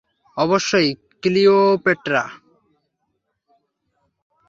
অবশ্যই, ক্লিওপেট্রা!